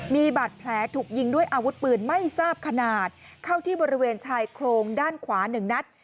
มีบาดแผลถูกยิงด้วยอาวุธปืนไม่ทราบขนาดเข้าที่บริเวณชายโครงด้านขวาหนึ่งนัด